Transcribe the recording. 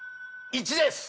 １です！